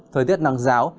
thời tiết nắng giáo